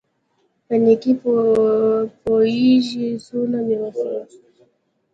په نېکۍ پوېېږي څونه مې ورسره کړي.